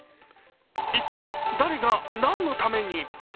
一体、誰が何のために？